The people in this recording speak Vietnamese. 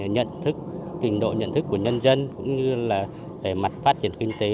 nhận thức trình độ nhận thức của nhân dân cũng như là về mặt phát triển kinh tế